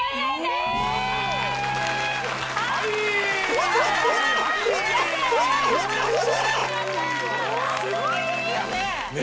すごいですよね